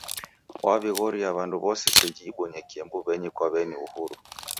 Waw'ighorie w'andu w'ose seji ibonyekie mbuw'enyi kwa w'eni Uhuru.